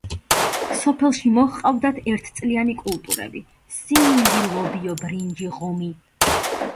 სოფელში მოჰყავდათ ერთწლიანი კულტურები: სიმინდი, ლობიო, ბრინჯი, ღომი.